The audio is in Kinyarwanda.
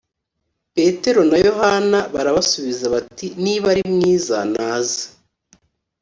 petero na yohana barabasubiza bati niba arimwiza naze